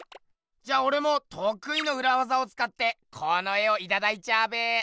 じゃあおれもとくいのうらわざをつかってこの絵をいただいちゃうべ！